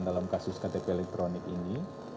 dalam kasus ktp elektronik ini